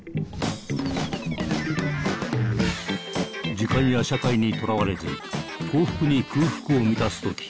時間や社会にとらわれず幸福に空腹を満たすとき